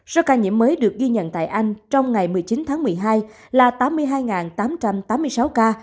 số ca nhiễm mới được ghi nhận tại anh trong ngày một mươi chín tháng một mươi hai là tám mươi hai tám trăm tám mươi sáu ca